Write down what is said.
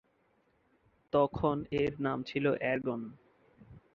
তখন এর নাম ছিল এর্গন।